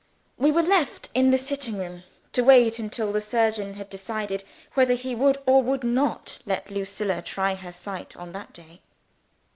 We were left in the sitting room, to wait until the surgeon had decided whether he would, or would not, let Lucilla try her sight on that day.